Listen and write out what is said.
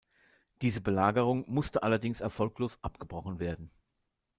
Diese Belagerung musste allerdings erfolglos abgebrochen werden.